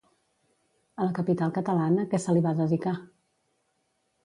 A la capital catalana, què se li va dedicar?